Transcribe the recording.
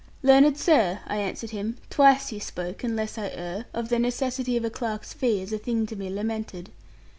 'Learned sir,' I answered him, 'twice you spoke, unless I err, of the necessity of a clerk's fee, as a thing to be lamented.'